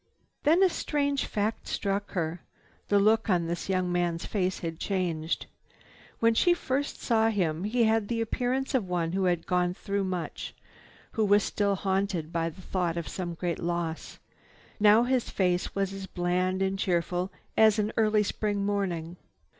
Then a strange fact struck her—the look on this young man's face had changed. When she first saw him he had the appearance of one who had gone through much, who was still haunted by the thought of some great loss. Now his face was as bland and cheerful as an early spring morning.